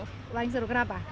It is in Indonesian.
yang paling seru kenapa